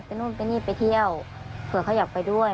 นู่นไปนี่ไปเที่ยวเผื่อเขาอยากไปด้วย